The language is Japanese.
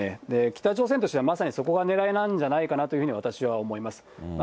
北朝鮮としてはまさにそこがねらいなんじゃないかなというふうに私は思います。